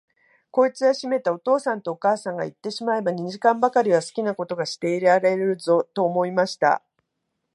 こいつはしめた、お父さんとお母さんがいってしまえば、二時間ばかりは好きなことがしていられるぞ、と思いました。